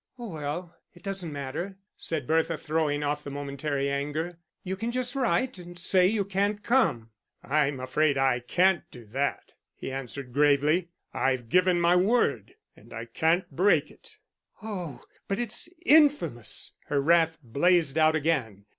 "Oh well, it doesn't matter," said Bertha, throwing off the momentary anger. "You can just write and say you can't come." "I'm afraid I can't do that," he answered, gravely. "I've given my word and I can't break it." "Oh, but it's infamous." Her wrath blazed out again.